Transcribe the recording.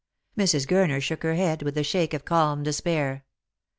Mrs. Gurner shook her head with the shake of calm despair.